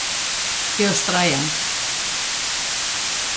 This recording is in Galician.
Que os traian!